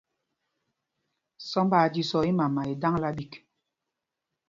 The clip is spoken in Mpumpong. Sɔmb aa jīsɔ̄ɔ̄ ímama í daŋla ɓîk.